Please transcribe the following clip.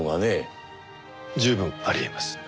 十分あり得ます。